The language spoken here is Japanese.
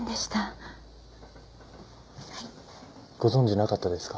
ご存じなかったですか。